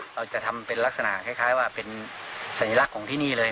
เราจะทำเป็นลักษณะคล้ายว่าเป็นสัญลักษณ์ของที่นี่เลย